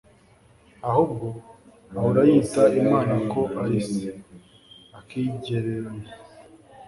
ahubwo "ahora yita Imana ko ari Se" akigereranya.